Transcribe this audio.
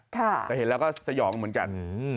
แต่เห็นแล้วก็สยองเหมือนกัน